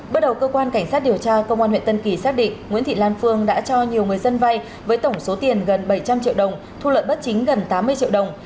bước đầu cơ quan cảnh sát điều tra công an huyện tân kỳ xác định nguyễn thị lan phương đã cho nhiều người dân vay với tổng số tiền gần bảy trăm linh triệu đồng thu lợi bất chính gần tám mươi triệu đồng